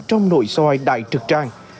trong nội soi đại trực trang